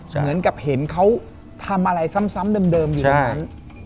เหมือนกับเห็นเขาทำอะไรซ้ำเดิมอยู่ตรงนั้น